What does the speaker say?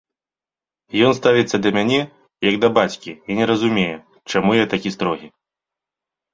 Ён ставіцца да мяне, як да бацькі і не разумее, чаму я такі строгі.